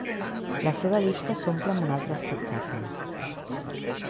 La seva vista s'omple amb un altre espectacle.